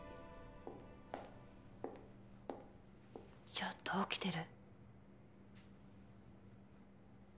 ちょっと起きてる？